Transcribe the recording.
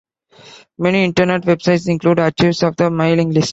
Many internet websites include archives of the mailing list.